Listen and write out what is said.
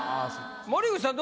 森口さん